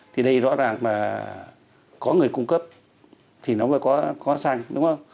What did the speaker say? thì đây rõ ràng là có người cung cấp thì nó mới có xăng đúng không